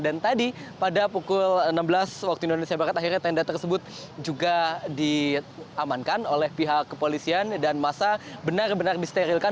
dan tadi pada pukul enam belas waktu indonesia barat akhirnya tenda tersebut juga diamankan oleh pihak kepolisian dan masa benar benar disterilkan